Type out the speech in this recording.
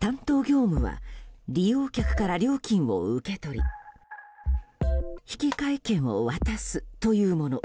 担当業務は利用客から料金を受け取り引換券を渡すというもの。